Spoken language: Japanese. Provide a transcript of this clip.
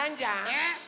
えっ？